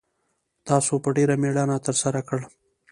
تاسو په ډېره میړانه ترسره کړ